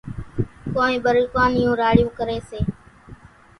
ڪونئين ٻروڪان نِيوُن راڙِيوُن ڪريَ سي۔